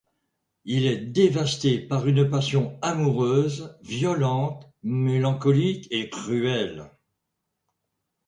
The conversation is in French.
Il est dévasté par une passion amoureuse, violente, mélancolique et cruelle.